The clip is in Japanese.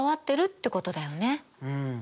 うん。